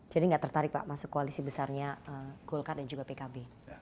jadi gak tertarik pak masuk koalisi besarnya golkar dan juga pkb